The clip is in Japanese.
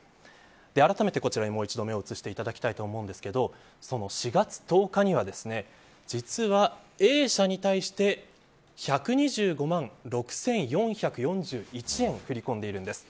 あらためて、こちらにもう一度目を移していただきたいと思うんですが４月１０日には実はＡ社に対して１２５万６４４１円振り込んでいるんです。